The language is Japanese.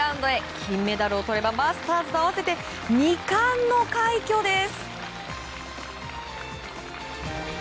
金メダルをとればマスターズと合わせて２冠の快挙です！